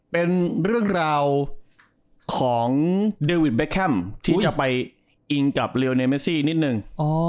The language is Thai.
เป็นเรื่องราวของเดวิดเบคแคมที่จะไปอิงกับเรียลเนเมซี่นิดนึง